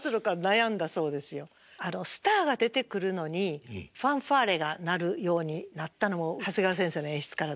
あのスターが出てくるのにファンファーレが鳴るようになったのも長谷川先生の演出からです。